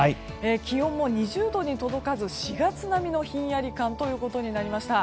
気温も２０度に届かず４月並みのひんやり感ということになりました。